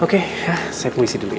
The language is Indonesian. oke saya puisi dulu ya